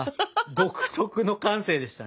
独特の感性でしたね。